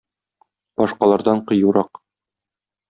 Башкалардан кыюрак.